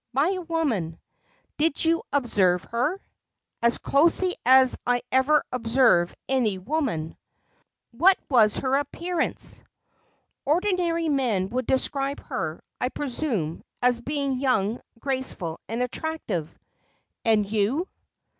"By a woman." "Did you observe her?" "As closely as I ever observe any woman." "What was her appearance?" "Ordinary men would describe her, I presume, as being young, graceful and attractive." "And you?"